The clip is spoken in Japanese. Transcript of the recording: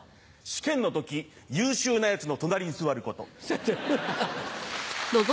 試験の時優秀なヤツの隣に座ること。